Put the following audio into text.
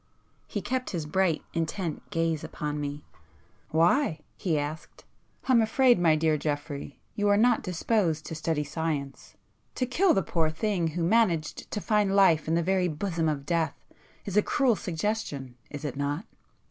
He kept his bright intent gaze upon me. "Why?" he asked. "I'm afraid, my dear Geoffrey, you are not disposed to study science. To kill the poor thing who managed to find life in the very bosom of death, is a cruel suggestion, is it not?